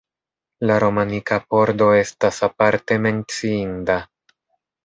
La romanika pordo estas aparte menciinda.